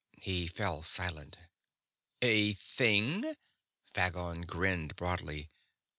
he fell silent. "A thing?" Phagon grinned broadly.